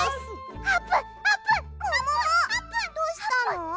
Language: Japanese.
どうしたの？